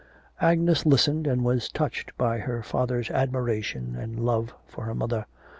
Agnes listened and was touched by her father's admiration and love for her mother.